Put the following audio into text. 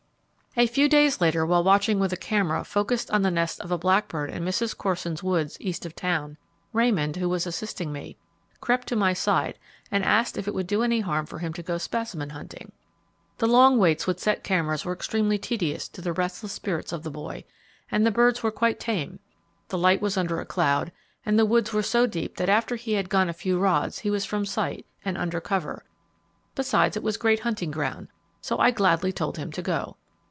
A few days later, while watching with a camera focused on the nest of a blackbird in Mrs. Corson's woods east of town, Raymond, who was assisting me, crept to my side and asked if it would do any harm for him to go specimen hunting. The long waits with set cameras were extremely tedious to the restless spirits of the boy, and the birds were quite tame, the light was under a cloud, and the woods were so deep that after he had gone a few rods he was from sight, and under cover; besides it was great hunting ground, so I gladly told him to go.